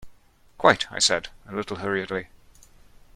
"Quite," I said, a little hurriedly.